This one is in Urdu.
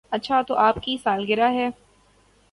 اچھا تو آج آپ کی سالگرہ ہے